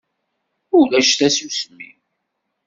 Ulac tasusmi.